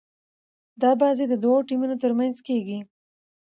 دا بازي د دوه ټيمونو تر منځ کیږي.